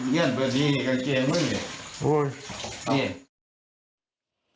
เงื่อนประดีกับเกียงมึงโอ้ยนี่